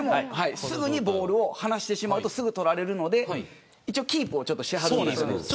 すぐにボールを放してしまうと取られるのでキープをするんです。